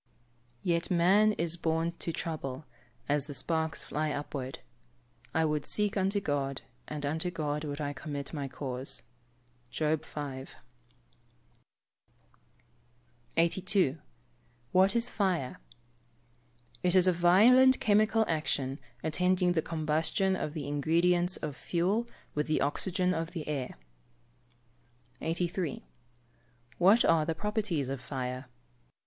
[Verse: "Yet man is born to trouble, as the sparks fly upward. I would seek unto God, and unto God would I commit my cause." JOB V.] 82. What is fire? It is a violent chemical action attending the combustion of the ingredients of fuel with the oxygen of the air. 83. _What are the properties of fire?